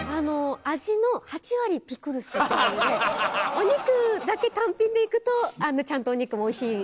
お肉だけ単品でいくとちゃんとお肉もおいしいですね。